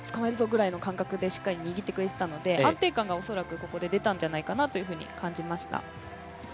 みたいな感覚で、しっかり握ってくれていたので安定感がおそらくここで出たんじゃないかなと感じました。